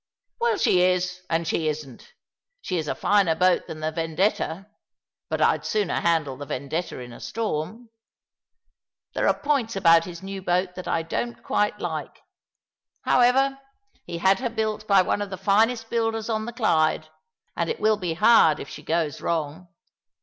" Well, she is, and she isn't. She is a finer boat than the Vendetta; but I'd sooner handle the Vendetta in a storm. There are points about his new boat that I don't quite like. However, he had her built by one of the finest builders on the Clyde, and it will be hard if she goes wrong.